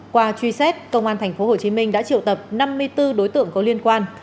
qua truy xét công an tp hcm đã triệu tập năm mươi bốn đối tượng có liên quan